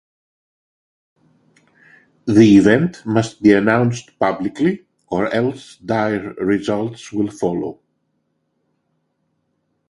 The event must be announced publicly, or else dire results will follow.